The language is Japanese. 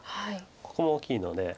ここも大きいので。